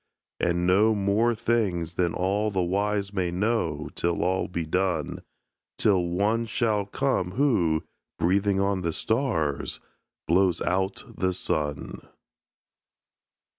And know more things than all the wise may know Till all be done; Till One shall come who, breathing on the stars, Blows out the sun.